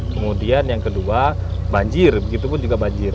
kemudian yang kedua banjir begitu pun juga banjir